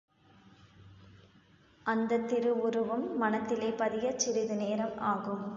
அந்தத் திருவுருவம் மனத்திலே பதியச் சிறிது நேரம் ஆகும்.